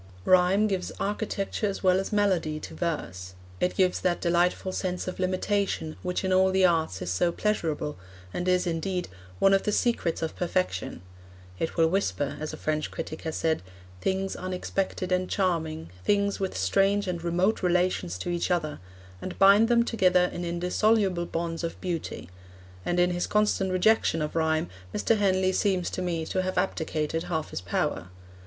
Rhyme gives architecture as well as melody to verse; it gives that delightful sense of limitation which in all the arts is so pleasurable, and is, indeed, one of the secrets of perfection; it will whisper, as a French critic has said, 'things unexpected and charming, things with strange and remote relations to each other,' and bind them together in indissoluble bonds of beauty; and in his constant rejection of rhyme, Mr. Henley seems to me to have abdicated half his power.